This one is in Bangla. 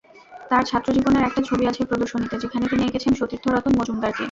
তাঁর ছাত্রজীবনের একটা ছবি আছে প্রদর্শনীতে, যেখানে তিনি এঁকেছেন সতীর্থ রতন মজুমদারকে।